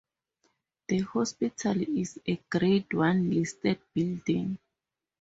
The hospital is a grade one listed building.